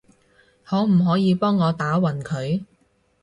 可唔可以幫我打暈佢？